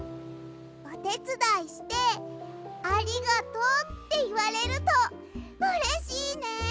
おてつだいして「ありがとう」っていわれるとうれしいね。